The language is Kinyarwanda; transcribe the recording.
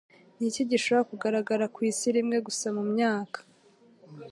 Ni iki gishobora kugaragara ku isi rimwe gusa mu myaka ?